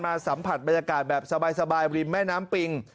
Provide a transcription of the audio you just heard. สัมผัสบรรยากาศแบบสบายริมแม่น้ำปิง